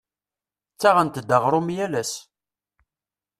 Ttaɣent-d aɣrum yal ass.